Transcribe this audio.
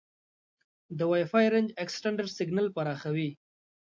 د وای فای رینج اکسټینډر سیګنال پراخوي.